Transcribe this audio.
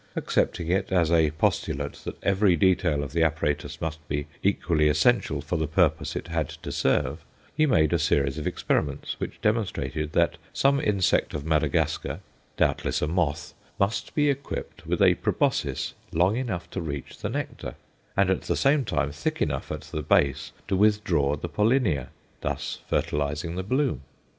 Accepting it as a postulate that every detail of the apparatus must be equally essential for the purpose it had to serve, he made a series of experiments which demonstrated that some insect of Madagascar doubtless a moth must be equipped with a proboscis long enough to reach the nectar, and at the same time thick enough at the base to withdraw the pollinia thus fertilizing the bloom.